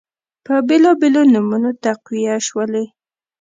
په بیلابیلو نومونو تقویه شولې